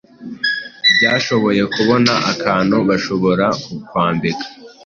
ryashoboye kubona akantu bashobora kukwambika